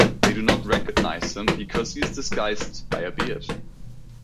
They do not recognize him because he is disguised by a beard.